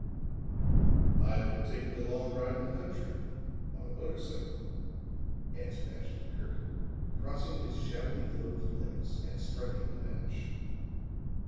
"I've been taking a long ride in the country on a motor cycle," answered Ashton Kirk, crossing his shabbily clothed legs and striking a match.